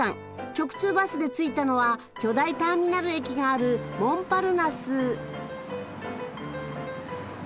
直通バスで着いたのは巨大ターミナル駅があるモンパルナス。